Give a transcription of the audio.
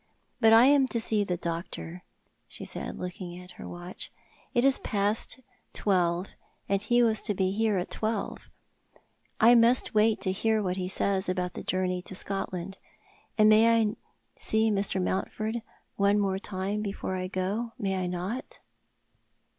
But I am to see the doctor," she said, looking at her watch. " It is past twelve, and he was to be here at twelve. I must wait to hear wliat he says about the journey to Scotland. And I may see Mr. Mouutford once more before I go, may I not